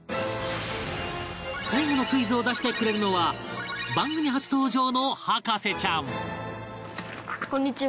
最後のクイズを出してくれるのは番組初登場の博士ちゃん